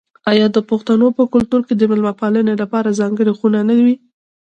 آیا د پښتنو په کلتور کې د میلمه پالنې لپاره ځانګړې خونه نه وي؟